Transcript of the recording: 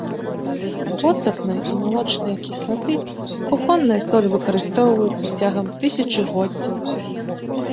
Воцатная і малочная кіслаты, кухонная соль выкарыстоўваюцца цягам тысячагоддзяў.